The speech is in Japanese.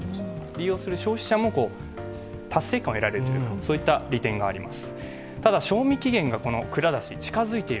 利用する消費者も達成感を得られるというそういった利点があります。